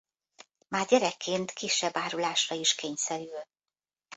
Már gyerekként kisebb árulásra is kényszerül.